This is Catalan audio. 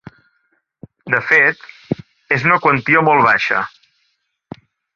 De fet, és una quantitat molt baixa.